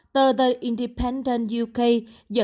tờ the independent uk dẫn